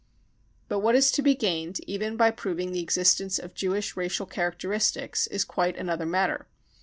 But what is to be gained even by proving the existence of Jewish racial characteristics is quite another matter.